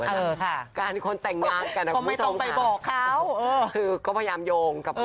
เออค่ะการคนแต่งงานกับผู้ชมคงไม่ต้องไปบอกเขาเออคือก็พยายามโยงกับ